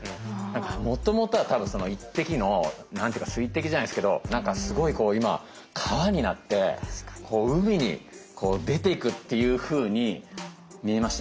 もともとは多分１滴の何て言うか水滴じゃないですけど何かすごいこう今川になって海に出ていくっていうふうに見えました。